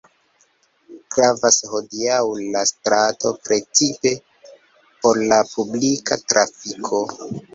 Gravas hodiaŭ la strato precipe por la publika trafiko.